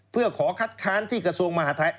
เพื่อขอคัดค้านที่กระทรวงมหาทัย